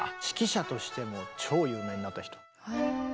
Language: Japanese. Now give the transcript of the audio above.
指揮者としても超有名になった人。